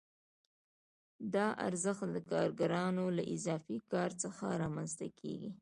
دا ارزښت د کارګرانو له اضافي کار څخه رامنځته کېږي